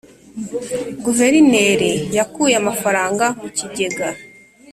guverineri yakuye amafaranga mu kigega